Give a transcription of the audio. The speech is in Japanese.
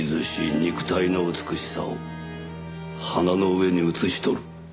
肉体の美しさを花の上に写し取る。